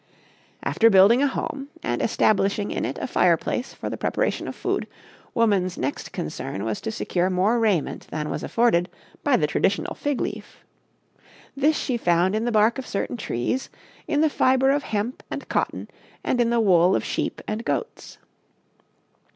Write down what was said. After building a home and establishing in it a fireplace for the preparation of food, woman's next concern was to secure more raiment than was afforded by the traditional fig leaf. This she found in the bark of certain trees, in the fiber of hemp and cotton and in the wool of sheep and goats.